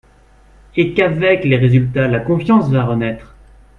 Et qu’avec les résultats, la confiance va renaître.